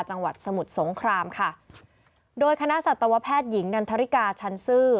จังหวัดสมุทรสงครามค่ะโดยคณะสัตวแพทย์หญิงนันทริกาชันซื่อ